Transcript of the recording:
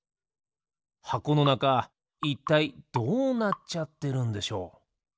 はこのなかいったいどうなっちゃってるんでしょう？